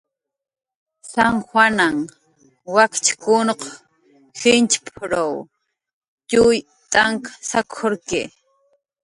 "San juanahn wakchkunq jinchp""rw txuy t'ank sak""urki "